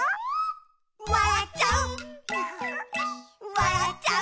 「わらっちゃう」